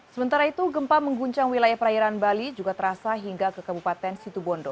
sementara itu gempa mengguncang wilayah perairan bali juga terasa hingga ke kabupaten situbondo